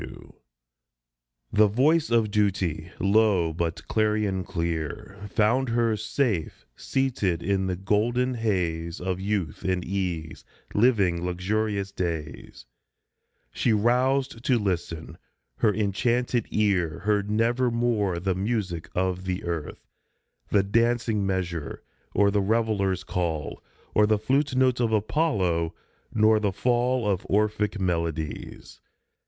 S. W. THE voice of Duty, low, but clarion clear, Found her, safe seated in the golden haze Of youth and ease, living luxurious days. She roused to listen ; her enchanted ear Heard nevermore the music of the earth The dancing measure, or the reveler's call, Or flute note of Apollo, nor the fall Of Orphic melodies.